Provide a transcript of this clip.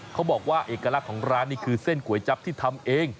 เขาบอกว่าเอกลักษณ์ของร้านนี่คือเส้นก๋วยจับที่ทำเอง